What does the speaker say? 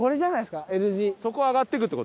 そこ上がってくって事？